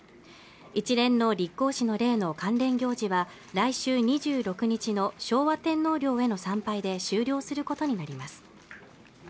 一連の立皇嗣の礼の関連行事は来週２６日の昭和天皇陵への参拝で終了することになります